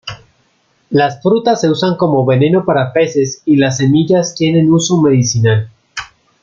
Las frutas se usan como veneno para peces y las semillas tienen uso medicinal.